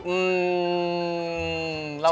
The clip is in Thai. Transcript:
อือ